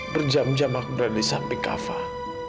berjam jam aku berada di samping kak fadil